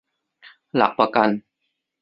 หลักประกัน